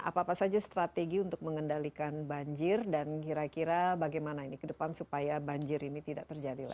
apa apa saja strategi untuk mengendalikan banjir dan kira kira bagaimana ini ke depan supaya banjir ini tidak terjadi lagi